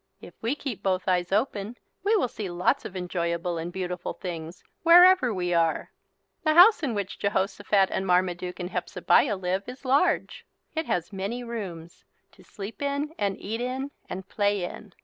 If we keep both eyes open we will see lots of enjoyable and beautiful things wherever we are. The house in which Jehosophat and Marmaduke and Hepzebiah live is large. It has many rooms to sleep in and eat in and play in.